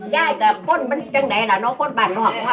ย่ายก็ฟุ้นมันจังไหนล่ะเนอะฟุ้นบาดหน่วง